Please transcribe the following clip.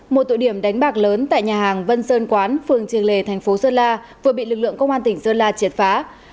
một tụ điểm đánh bạc lớn tại nhà hàng vân sơn quán phường trường lề thành phố sơn la vừa bị lực lượng công an tỉnh sơn la triệt phá